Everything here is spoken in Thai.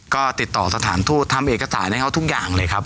ก็ติดต่อสถานทูตทำเอกสารให้เขาทุกอย่างเลยครับ